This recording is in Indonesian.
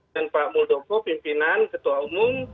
dan pak muldoko pimpinan ketua umum